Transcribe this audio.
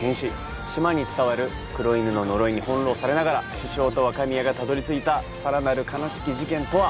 島に伝わる黒犬の呪いに翻弄されながら獅子雄と若宮がたどりついたさらなる悲しき事件とは？